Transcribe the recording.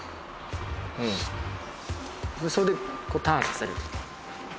うんそれでターンさせる。